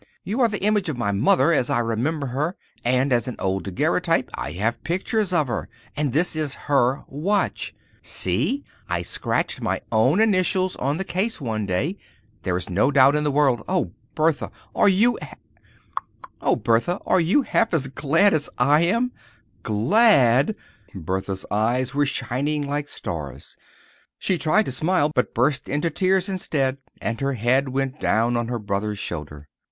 You are the image of my mother, as I remember her, and as an old daguerreotype I have pictures her. And this is her watch—see, I scratched my own initials on the case one day. There is no doubt in the world. Oh, Bertha, are you half as glad as I am?" "Glad!" Bertha's eyes were shining like stars. She tried to smile, but burst into tears instead and her head went down on her brother's shoulder.